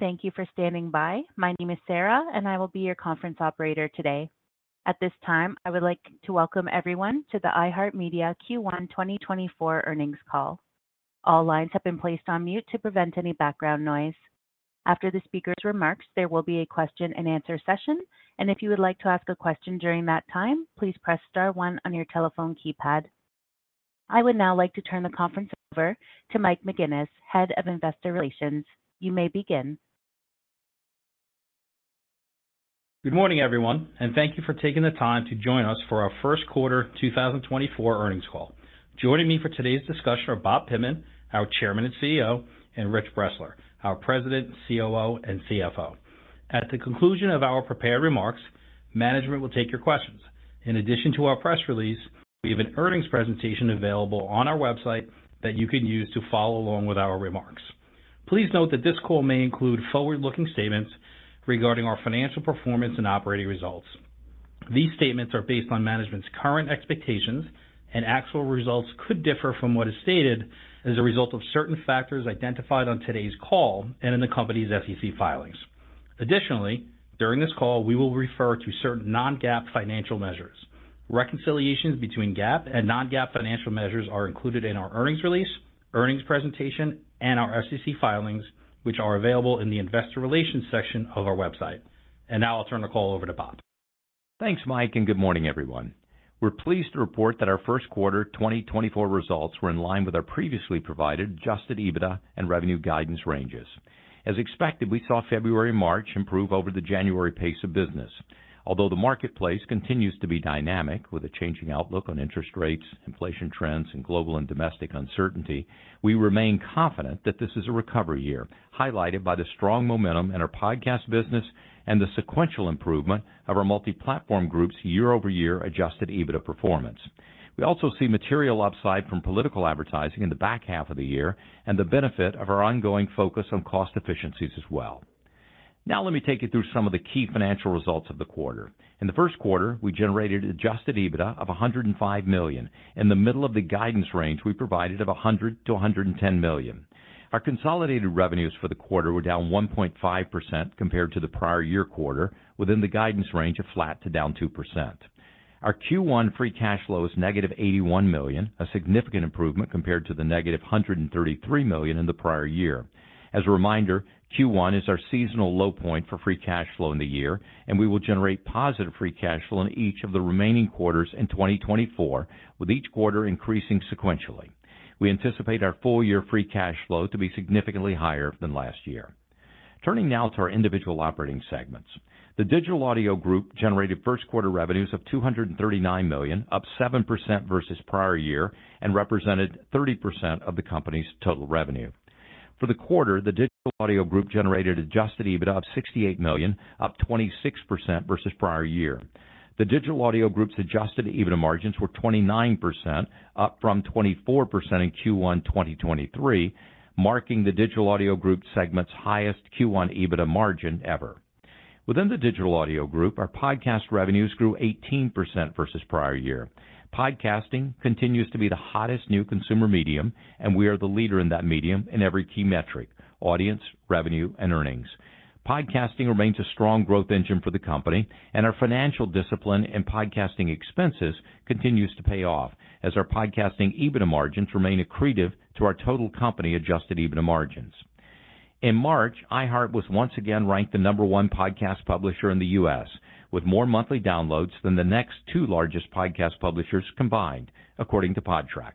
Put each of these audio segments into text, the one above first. Hello, thank you for standing by. My name is Sarah, and I will be your conference operator today. At this time, I would like to welcome everyone to the iHeartMedia Q1 2024 earnings call. All lines have been placed on mute to prevent any background noise. After the speaker's remarks, there will be a question-and-answer session, and if you would like to ask a question during that time, please press star 1 on your telephone keypad. I would now like to turn the conference over to Mike McGuinness, head of investor relations. You may begin. Good morning, everyone, and thank you for taking the time to join us for our first quarter 2024 earnings call. Joining me for today's discussion are Bob Pittman, our Chairman and CEO, and Rich Bressler, our President, COO, and CFO. At the conclusion of our prepared remarks, management will take your questions. In addition to our press release, we have an earnings presentation available on our website that you can use to follow along with our remarks. Please note that this call may include forward-looking statements regarding our financial performance and operating results. These statements are based on management's current expectations, and actual results could differ from what is stated as a result of certain factors identified on today's call and in the company's SEC filings. Additionally, during this call, we will refer to certain non-GAAP financial measures. Reconciliations between GAAP and non-GAAP financial measures are included in our earnings release, earnings presentation, and our SEC filings, which are available in the investor relations section of our website. Now I'll turn the call over to Bob. Thanks, Mike, and good morning, everyone. We're pleased to report that our first quarter 2024 results were in line with our previously provided Adjusted EBITDA and revenue guidance ranges. As expected, we saw February and March improve over the January pace of business. Although the marketplace continues to be dynamic, with a changing outlook on interest rates, inflation trends, and global and domestic uncertainty, we remain confident that this is a recovery year, highlighted by the strong momentum in our podcast business and the sequential improvement of our Multiplatform Group's year-over-year Adjusted EBITDA performance. We also see material upside from political advertising in the back half of the year and the benefit of our ongoing focus on cost efficiencies as well. Now let me take you through some of the key financial results of the quarter. In the first quarter, we generated Adjusted EBITDA of $105 million, in the middle of the guidance range we provided of $100 million-$110 million. Our consolidated revenues for the quarter were down 1.5% compared to the prior year quarter, within the guidance range of flat to down 2%. Our Q1 free cash flow is -$81 million, a significant improvement compared to the -$133 million in the prior year. As a reminder, Q1 is our seasonal low point for free cash flow in the year, and we will generate positive free cash flow in each of the remaining quarters in 2024, with each quarter increasing sequentially. We anticipate our full-year free cash flow to be significantly higher than last year. Turning now to our individual operating segments. The Digital Audio Group generated first quarter revenues of $239 million, up 7% versus prior year, and represented 30% of the company's total revenue. For the quarter, the Digital Audio Group generated adjusted EBITDA of $68 million, up 26% versus prior year. The Digital Audio Group's adjusted EBITDA margins were 29%, up from 24% in Q1 2023, marking the Digital Audio Group segment's highest Q1 EBITDA margin ever. Within the Digital Audio Group, our podcast revenues grew 18% versus prior year. Podcasting continues to be the hottest new consumer medium, and we are the leader in that medium in every key metric: audience, revenue, and earnings. Podcasting remains a strong growth engine for the company, and our financial discipline and podcasting expenses continues to pay off as our podcasting EBITDA margins remain accretive to our total company adjusted EBITDA margins. In March, iHeartMedia was once again ranked the number one podcast publisher in the U.S., with more monthly downloads than the next two largest podcast publishers combined, according to Podtrac.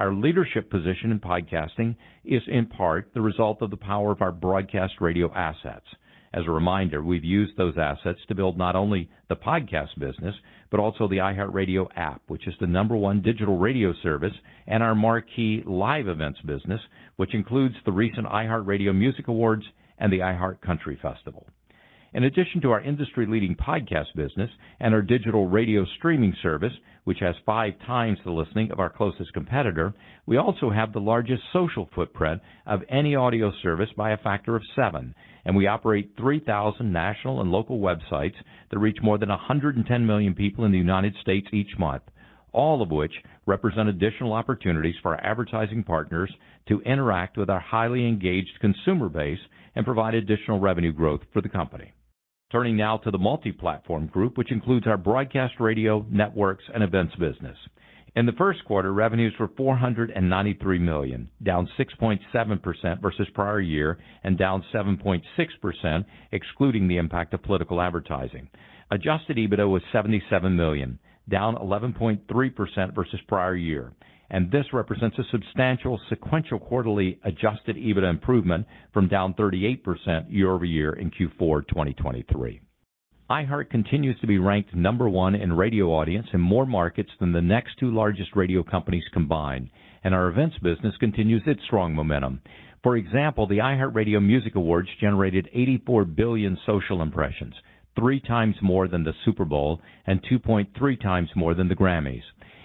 Our leadership position in podcasting is, in part, the result of the power of our broadcast radio assets. As a reminder, we've used those assets to build not only the podcast business but also the iHeartRadio app, which is the number one digital radio service, and our marquee live events business, which includes the recent iHeartRadio Music Awards and the iHeartCountry Festival. In addition to our industry-leading podcast business and our digital radio streaming service, which has 5x the listening of our closest competitor, we also have the largest social footprint of any audio service by a factor of 7, and we operate 3,000 national and local websites that reach more than 110 million people in the United States each month, all of which represent additional opportunities for our advertising partners to interact with our highly engaged consumer base and provide additional revenue growth for the company. Turning now to the Multiplatform Group, which includes our broadcast radio, networks, and events business. In the first quarter, revenues were $493 million, down 6.7% versus prior year and down 7.6% excluding the impact of political advertising. Adjusted EBITDA was $77 million, down 11.3% versus prior year, and this represents a substantial sequential quarterly adjusted EBITDA improvement from down 38% year-over-year in Q4 2023. iHeartMedia continues to be ranked number one in radio audience in more markets than the next two largest radio companies combined, and our events business continues its strong momentum. For example, the iHeartRadio Music Awards generated 84 billion social impressions, three times more than the Super Bowl and 2.3 times more than the Grammys,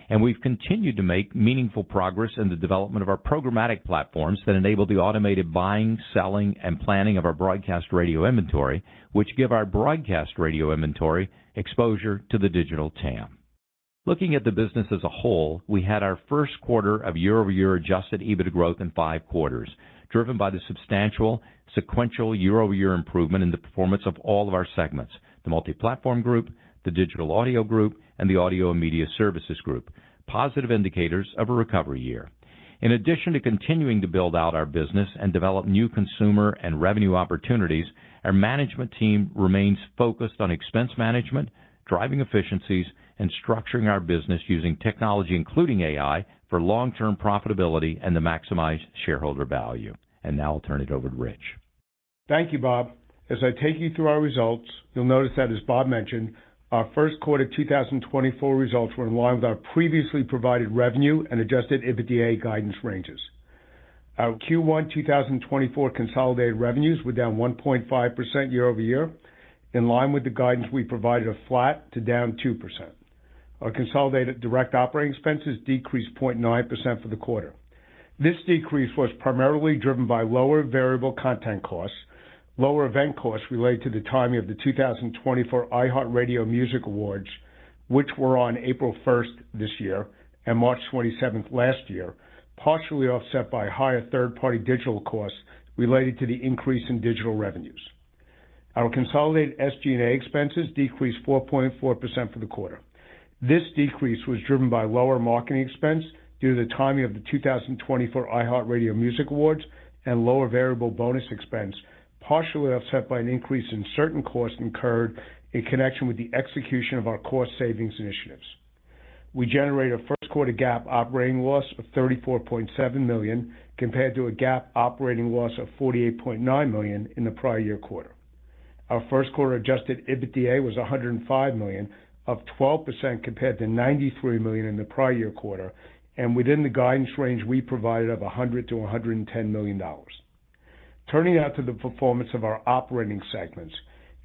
and we've continued to make meaningful progress in the development of our programmatic platforms that enable the automated buying, selling, and planning of our broadcast radio inventory, which give our broadcast radio inventory exposure to the digital TAM. Looking at the business as a whole, we had our first quarter of year-over-year Adjusted EBITDA growth in five quarters, driven by the substantial sequential year-over-year improvement in the performance of all of our segments: the Multiplatform Group, the Digital Audio Group, and the Audio and Media Services Group, positive indicators of a recovery year. In addition to continuing to build out our business and develop new consumer and revenue opportunities, our management team remains focused on expense management, driving efficiencies, and structuring our business using technology, including AI, for long-term profitability and to maximize shareholder value. Now I'll turn it over to Rich. Thank you, Bob. As I take you through our results, you'll notice that, as Bob mentioned, our first quarter 2024 results were in line with our previously provided revenue and Adjusted EBITDA guidance ranges. Our Q1 2024 consolidated revenues were down 1.5% year-over-year, in line with the guidance we provided of flat to down 2%. Our consolidated direct operating expenses decreased 0.9% for the quarter. This decrease was primarily driven by lower variable content costs, lower event costs related to the timing of the 2024 iHeartRadio Music Awards, which were on April 1st this year and March 27th last year, partially offset by higher third-party digital costs related to the increase in digital revenues. Our consolidated SG&A expenses decreased 4.4% for the quarter. This decrease was driven by lower marketing expense due to the timing of the 2024 iHeartRadio Music Awards and lower variable bonus expense, partially offset by an increase in certain costs incurred in connection with the execution of our cost savings initiatives. We generated a first quarter GAAP operating loss of $34.7 million compared to a GAAP operating loss of $48.9 million in the prior year quarter. Our first quarter adjusted EBITDA was $105 million, up 12% compared to $93 million in the prior year quarter and within the guidance range we provided of $100 million-$110 million. Turning now to the performance of our operating segments,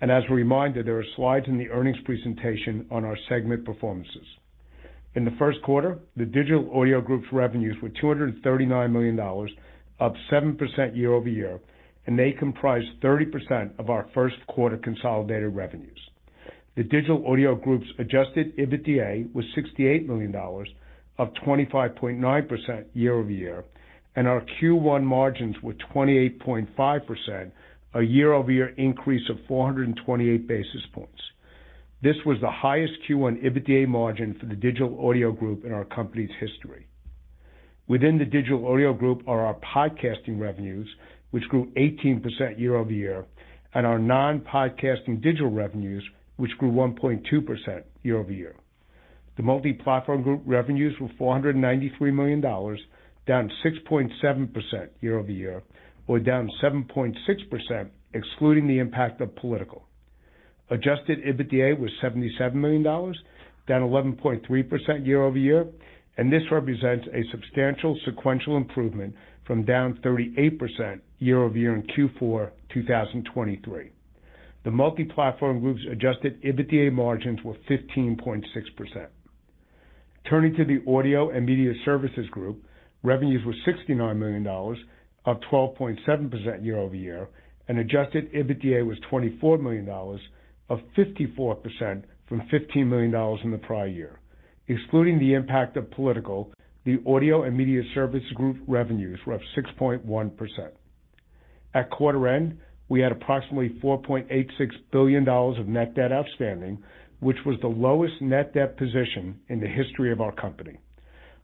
and as a reminder, there are slides in the earnings presentation on our segment performances. In the first quarter, the Digital Audio Group's revenues were $239 million, up 7% year-over-year, and they comprised 30% of our first quarter consolidated revenues. The Digital Audio Group's Adjusted EBITDA was $68 million, up 25.9% year-over-year, and our Q1 margins were 28.5%, a year-over-year increase of 428 basis points. This was the highest Q1 EBITDA margin for the Digital Audio Group in our company's history. Within the Digital Audio Group are our podcasting revenues, which grew 18% year-over-year, and our non-podcasting digital revenues, which grew 1.2% year-over-year. The Multiplatform Group revenues were $493 million, down 6.7% year-over-year, or down 7.6% excluding the impact of political. Adjusted EBITDA was $77 million, down 11.3% year-over-year, and this represents a substantial sequential improvement from down 38% year-over-year in Q4 2023. The Multiplatform Group's Adjusted EBITDA margins were 15.6%. Turning to the Audio & Media Services Group, revenues were $69 million, up 12.7% year-over-year, and Adjusted EBITDA was $24 million, up 54% from $15 million in the prior year. Excluding the impact of political, the Audio & Media Services Group revenues were up 6.1%. At quarter end, we had approximately $4.86 billion of net debt outstanding, which was the lowest net debt position in the history of our company.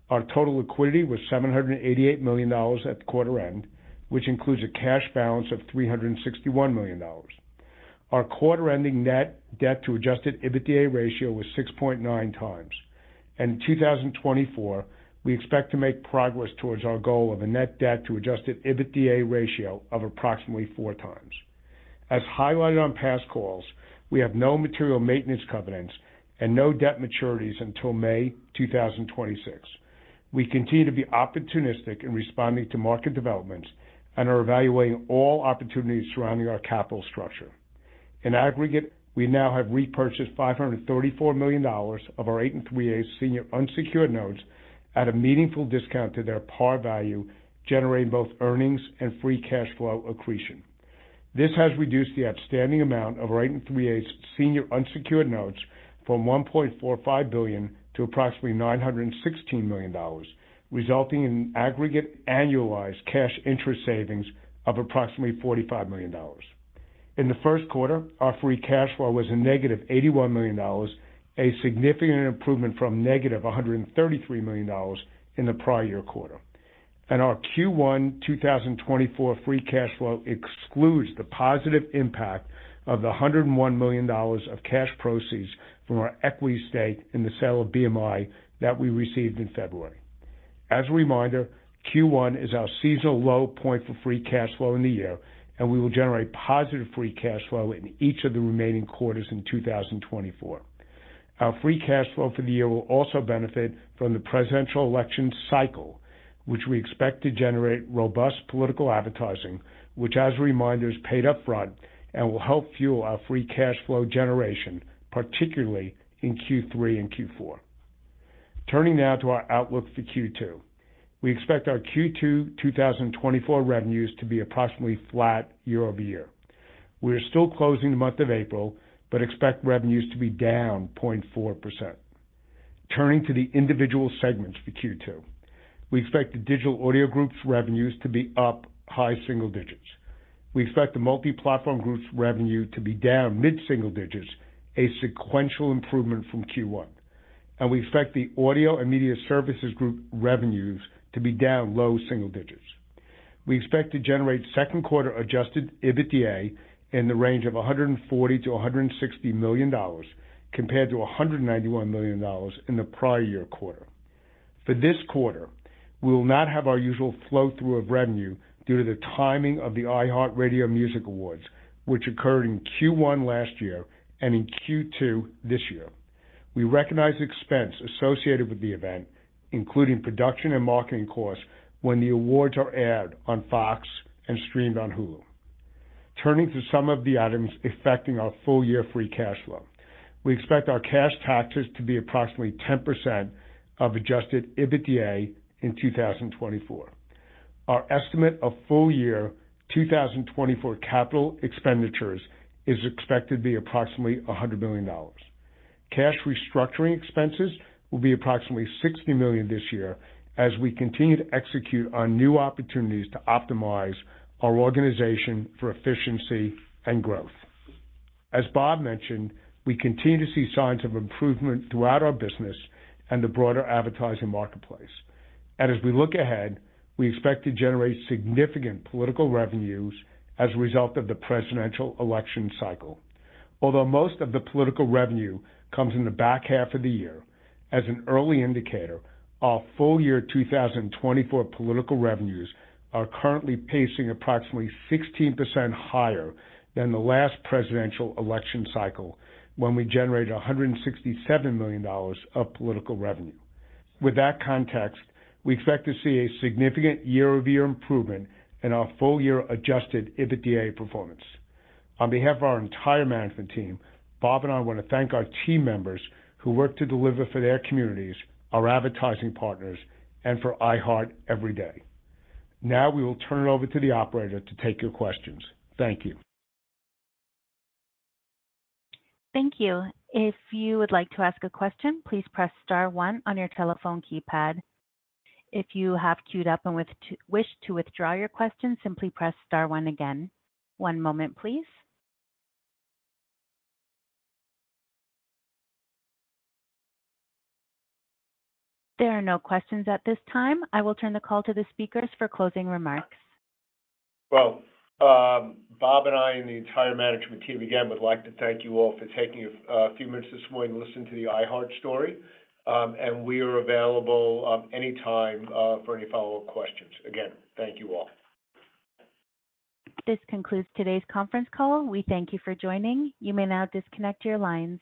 Our total liquidity was $788 million at quarter end, which includes a cash balance of $361 million. Our quarter-ending net debt-to-Adjusted EBITDA ratio was 6.9x, and in 2024, we expect to make progress towards our goal of a net debt-to-Adjusted EBITDA ratio of approximately 4x. As highlighted on past calls, we have no material maintenance covenants and no debt maturities until May 2026. We continue to be opportunistic in responding to market developments and are evaluating all opportunities surrounding our capital structure. In aggregate, we now have repurchased $534 million of our 8 and 3/8 senior unsecured notes at a meaningful discount to their par value, generating both earnings and free cash flow accretion. This has reduced the outstanding amount of our 8 and 3/8 senior unsecured notes from $1.45 billion to approximately $916 million, resulting in aggregate annualized cash interest savings of approximately $45 million. In the first quarter, our free cash flow was negative $81 million, a significant improvement from negative $133 million in the prior year quarter. Our Q1 2024 free cash flow excludes the positive impact of the $101 million of cash proceeds from our equity stake in the sale of BMI that we received in February. As a reminder, Q1 is our seasonal low point for free cash flow in the year, and we will generate positive free cash flow in each of the remaining quarters in 2024. Our free cash flow for the year will also benefit from the presidential election cycle, which we expect to generate robust political advertising, which, as a reminder, is paid upfront and will help fuel our free cash flow generation, particularly in Q3 and Q4. Turning now to our outlook for Q2. We expect our Q2 2024 revenues to be approximately flat year-over-year. We are still closing the month of April but expect revenues to be down 0.4%. Turning to the individual segments for Q2. We expect the Digital Audio Group's revenues to be up high single digits. We expect the Multiplatform Group's revenue to be down mid-single digits, a sequential improvement from Q1, and we expect the Audio & Media Services Group revenues to be down low single digits. We expect to generate second quarter Adjusted EBITDA in the range of $140 million-$160 million compared to $191 million in the prior year quarter. For this quarter, we will not have our usual flow-through of revenue due to the timing of the iHeartRadio Music Awards, which occurred in Q1 last year and in Q2 this year. We recognize expense associated with the event, including production and marketing costs, when the awards are aired on Fox and streamed on Hulu. Turning to some of the items affecting our full-year free cash flow. We expect our cash taxes to be approximately 10% of Adjusted EBITDA in 2024. Our estimate of full-year 2024 capital expenditures is expected to be approximately $100 million. Cash restructuring expenses will be approximately $60 million this year as we continue to execute on new opportunities to optimize our organization for efficiency and growth. As Bob mentioned, we continue to see signs of improvement throughout our business and the broader advertising marketplace. As we look ahead, we expect to generate significant political revenues as a result of the presidential election cycle. Although most of the political revenue comes in the back half of the year, as an early indicator, our full-year 2024 political revenues are currently pacing approximately 16% higher than the last presidential election cycle when we generated $167 million of political revenue. With that context, we expect to see a significant year-over-year improvement in our full-year Adjusted EBITDA performance. On behalf of our entire management team, Bob and I want to thank our team members who work to deliver for their communities, our advertising partners, and for iHeartMedia every day. Now we will turn it over to the operator to take your questions. Thank you. Thank you. If you would like to ask a question, please press star 1 on your telephone keypad. If you have queued up and wish to withdraw your question, simply press star 1 again. One moment, please. There are no questions at this time. I will turn the call to the speakers for closing remarks. Well, Bob and I and the entire management team, again, would like to thank you all for taking a few minutes this morning to listen to the iHeartMedia story, and we are available anytime for any follow-up questions. Again, thank you all. This concludes today's conference call. We thank you for joining. You may now disconnect your lines.